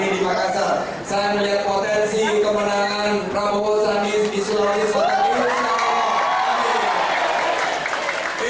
ya insya allah kita akan tarik gerbong ekonomi di sulawesi selatan